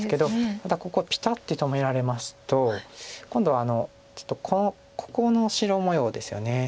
ただここピタッて止められますと今度はちょっとここの白模様ですよね。